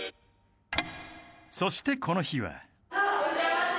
［そしてこの日は］